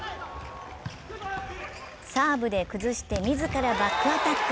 サーブで崩して自らバックアタック。